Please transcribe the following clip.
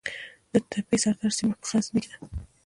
د تپې سردار سیمه په غزني کې ده